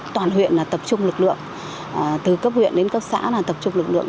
toàn huyện tập trung lực lượng từ cấp huyện đến cấp xã là tập trung lực lượng